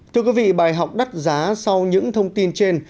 thưa quý vị bài học đắt giá sau những thông tin trên